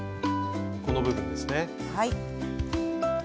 この部分ですね。